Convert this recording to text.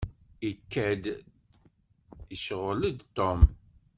Ikad-d icɣel-d Tom.